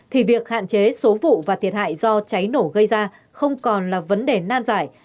thì việc hạn chế số vụ và thiệt hại do cháy nổ gây ra không còn là vấn đề nan giải